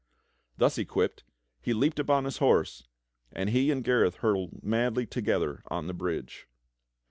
Thus equipped, he leaped upon his horse, and he and Gareth hurled madly together on the bridge.